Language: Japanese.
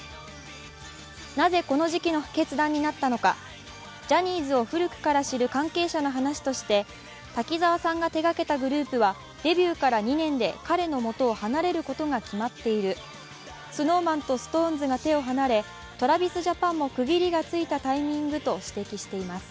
なぜこの時期の決断になったのかジャニーズを古くから知る関係者の話として、滝沢さんが手がけたグループはデビューから２年で彼のもとを離れることが決まっている、ＳｎｏｗＭａｎとＳｉｘＴＯＮＥＳが手を離れＴｒａｖｉｓＪａｐａｎも区切りがついたタイミングと指摘しています。